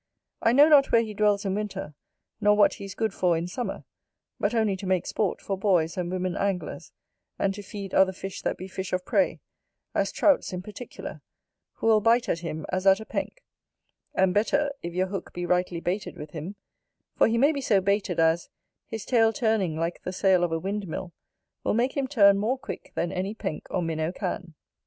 I know not where he dwells in winter; nor what he is good for in summer, but only to make sport for boys and women anglers, and to feed other fish that be fish of prey, as Trouts in particular, who will bite at him as at a Penk; and better, if your hook be rightly baited with him, for he may be so baited as, his tail turning like the sail of a wind mill, will make him turn more quick than any Penk or Minnow can.